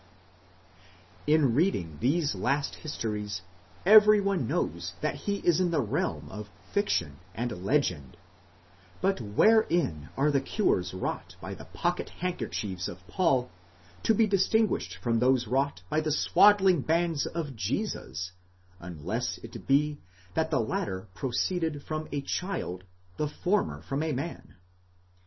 ® In reading these last histories, every one knows that he is in the realm of fiction and legend; but wherein are the cures wrought by the pocket handkerchiefs of Paul to be distinguished from those wrought by the swaddling bands of Jesus, unless it be that the latter proceeded from a child, the former from a man?